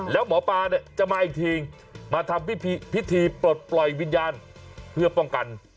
แล้วหมอปลาเนี่ยจะมาอีกทีมาทำพิธีปลดปล่อยวิญญาณเพื่อป้องกัน